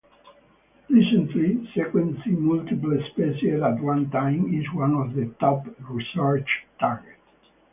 Recently sequencing multiple species at one time is one of the top research target.